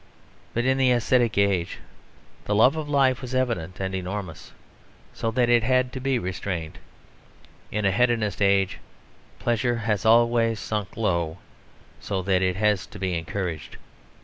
But in the ascetic age the love of life was evident and enormous, so that it had to be restrained. In an hedonist age pleasure has always sunk low, so that it has to be encouraged.